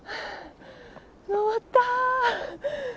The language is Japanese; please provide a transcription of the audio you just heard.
登った。